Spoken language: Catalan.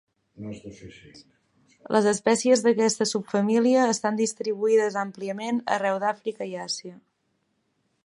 Les espècies d'aquesta subfamília estan distribuïdes àmpliament arreu d'Àfrica i Àsia.